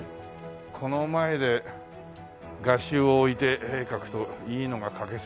この前で画集を置いて絵描くといいのが描けそうだね。